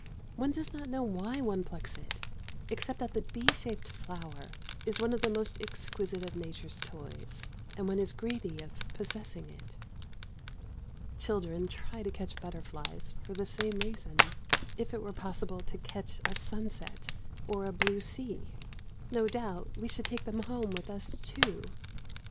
One does not know why one plucks it, except that the bee shaped flower is one of the most exquisite of Nature's toys, and one is greedy of possessing it. Children try to catch butterflies for the same reason. If it were possible to catch a sunset or a blue sea, no doubt we should take them home with us, too.